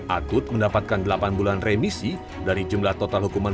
akut mendapatkan delapan bulan remisi dari jumlah total hukuman